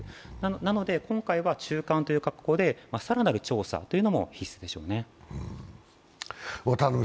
なので今回は中間という格好で更なる調査というのは必須でしょうね。